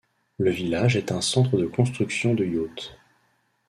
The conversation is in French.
Le village est un centre de construction de yachts.